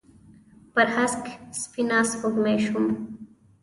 پر هسک سپینه سپوږمۍ شوم